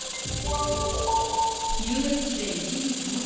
遊園地で一時騒然！